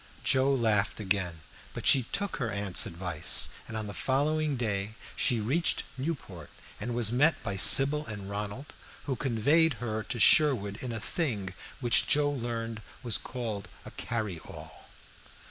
Joe laughed again, but she took her aunt's advice; and on the following day she reached Newport, and was met by Sybil and Ronald, who conveyed her to Sherwood in a thing which Joe learned was called a "carryall."